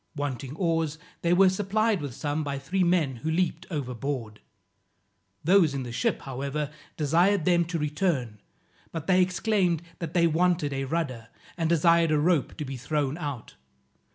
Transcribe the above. Wanting oars, they were supplied with some by three men who leaped overboard. Those in the ship, however, desired them to return, but they exclaimed, that they wanted a rudder, and desired a rope to be thrown out.